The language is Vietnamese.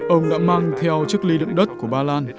ông đã mang theo chiếc ly đựng đất của ba lan